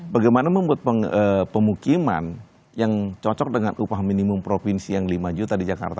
bagaimana membuat pemukiman yang cocok dengan upah minimum provinsi yang lima juta di jakarta